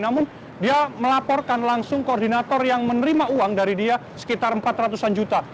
namun dia melaporkan langsung koordinator yang menerima uang dari dia sekitar empat ratus an juta